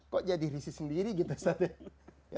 kok jadi risih sendiri gitu ustaz ya